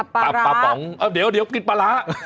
ปลาป๋องเดี๋ยวกินปลาร้า